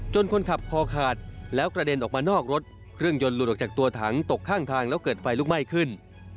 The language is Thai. คนขับคอขาดแล้วกระเด็นออกมานอกรถเครื่องยนต์หลุดออกจากตัวถังตกข้างทางแล้วเกิดไฟลุกไหม้ขึ้น